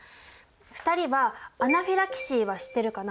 ２人はアナフィラキシーは知ってるかな？